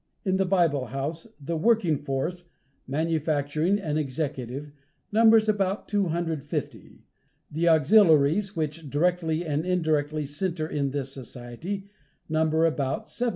In the Bible House, the working force manufacturing and executive numbers about 250. The auxiliaries which directly and indirectly center in this society, number about 7,000.